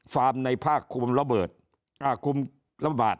ฟาร์มในภาคคุมระบาด